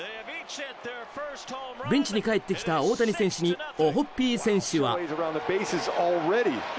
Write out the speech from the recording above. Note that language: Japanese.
ベンチに帰ってきた大谷選手にオホッピー選手は。